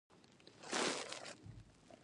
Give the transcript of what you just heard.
د دولتونو اقتصادي او ټولنیز حقوق هم مهم دي